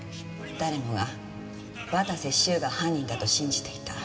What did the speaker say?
誰もが綿瀬修が犯人だと信じていた。